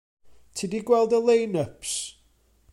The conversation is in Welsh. Ti 'di gweld y lein-yps?